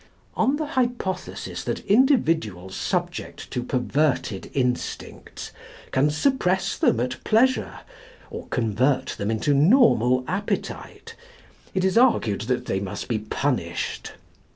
On the hypothesis that individuals subject to perverted instincts can suppress them at pleasure or convert them into normal appetite, it is argued that they must be punished.